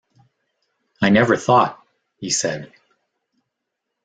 “I never thought,” he said.